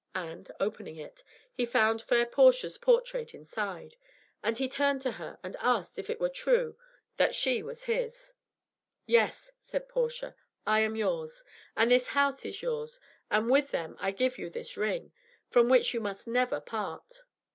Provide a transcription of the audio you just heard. And opening it, he found fair Portia's portrait inside, and he turned to her and asked if it were true that she was his. "Yes," said Portia, "I am yours, and this house is yours, and with them I give you this ring, from which you must never part."